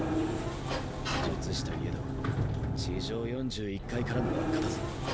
術師といえど地上４１階からの落下だぞ。